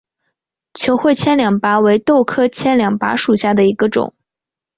球穗千斤拔为豆科千斤拔属下的一个种。